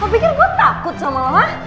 lo pikir gue takut sama lo mah